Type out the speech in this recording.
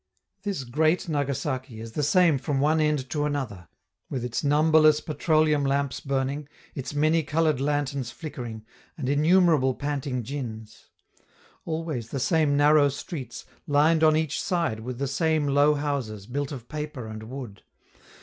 This great Nagasaki is the same from one end to another, with its numberless petroleum lamps burning, its many colored lanterns flickering, and innumerable panting djins. Always the same narrow streets, lined on each side with the same low houses, built of paper and wood.